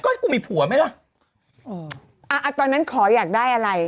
ก็กูมีผัวไหมล่ะอืมอ่าตอนนั้นขออยากได้อะไร